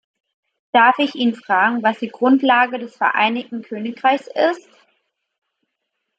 Darf ich ihn fragen, was die Grundlage des Vereinigten Königreichs ist?